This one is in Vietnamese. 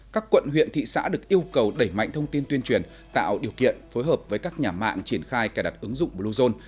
các quận huyện thị xã được yêu cầu đẩy mạnh thông tin tuyên truyền tạo điều kiện phối hợp với các nhà mạng triển khai cài đặt ứng dụng bluezone